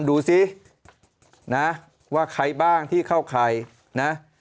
ดูซิว่าใครบ้างใครเข้าใคร